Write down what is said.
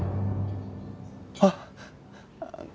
あっ。